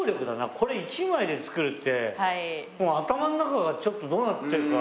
これ１枚で作るってもう頭ん中がちょっとどうなってるか。